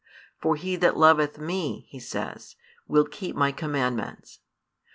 For he that loveth Me, He says, will keep My commandments.